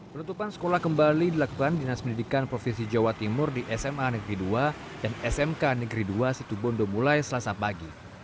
penutupan sekolah kembali dilakukan dinas pendidikan provinsi jawa timur di sma negeri dua dan smk negeri dua situbondo mulai selasa pagi